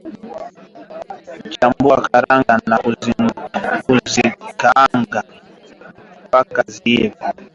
Chambua karanga na kuzikaanga mpaka ziive